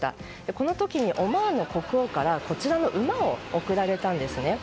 この時に、国王からこちらの馬を贈られたんですね。